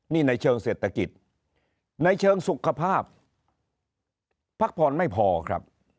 นี่ในเชิงเศรษฐกิจในเชิงสุขภาพพักผ่อนไม่พอครับ